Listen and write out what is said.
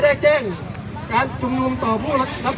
เครตค์บางเครตคุณเทพนักฒรนะครับ